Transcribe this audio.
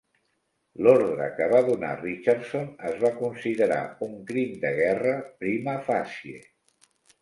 L"ordre que va donar Richardson es va considerar un crim de guerra "prima facie".